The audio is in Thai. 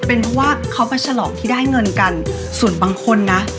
เป็นเพราะว่าเขาไปฉลองที่ได้เงินกันส่วนบางคนนะ